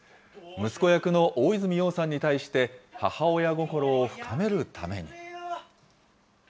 息子役の大泉洋さんに対して、母親心を深めるために。